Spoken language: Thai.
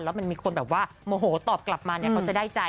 แล้วมันมีคนแบบว่าโมโหตอบกลับมาเนี่ยเขาจะได้ใจ